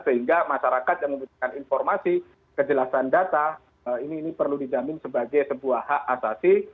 sehingga masyarakat yang membutuhkan informasi kejelasan data ini perlu dijamin sebagai sebuah hak asasi